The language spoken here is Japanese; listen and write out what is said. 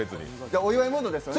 お祝いモードですよね。